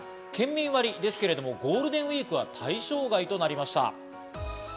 続いては県民割ですけれども、ゴールデンウイークは対象外となりました。